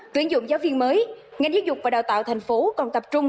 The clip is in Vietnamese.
tuyển dụng giáo viên mới ngành giáo dục và đào tạo thành phố còn tập trung